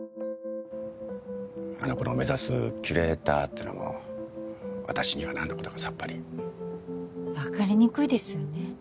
あの子の目指すキュレーターってのも私には何のことかさっぱり分かりにくいですよね